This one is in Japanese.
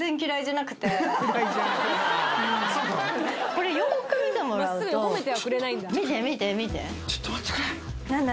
これよく見てもらうと見て見て見てちょっと待ってこれ何だ？